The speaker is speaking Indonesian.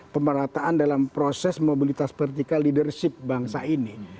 pemerataan dalam proses mobilitas vertikal leadership bangsa ini